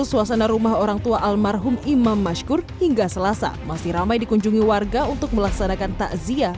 suasana rumah orang tua almarhum imam mashkur hingga selasa masih ramai dikunjungi warga untuk melaksanakan takziah